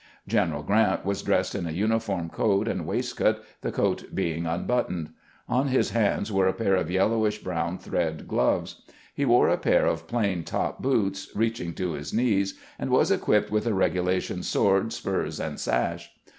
General Grant was dressed in a uniform coat and waist coat, the coat being unbuttoned. On his hands were a pair of yellowish brown thread gloves. He wore a pair of plain top boots, reaching to his knees, and was equipped with a regulation sword, spurs, and sash.